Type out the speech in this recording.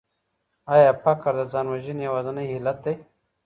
آيا فقر د ځان وژنې يوازينی علت دی؟